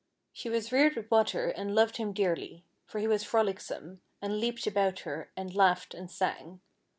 She was reared with Water and loved ^ MM^/ ^V'' '^'"^ dearly, for he was frolicsome, and leaped about her, and laugfhed, and sancj w%.